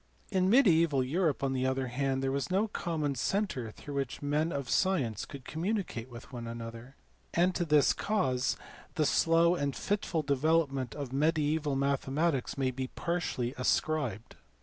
In mediaeval Europe on the other hand there was no common centre through which men of science could communicate with one another, and to this cause the slow and fitful development of mediaeval mathematics may be partly ascribed.